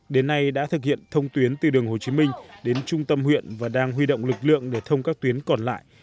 đến nay đã thực hiện thông tuyến từ đường hồ chí minh đến trung tâm huyện và đang huy động lực lượng để thông các tuyến còn lại